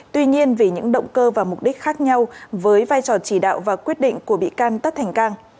tuy nhiên vì những động cơ và mục đích khác nhau với vai trò chỉ đạo và quyết định của bị can tất thành cang